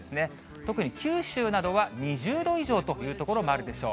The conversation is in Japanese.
特に九州などは２０度以上という所もあるでしょう。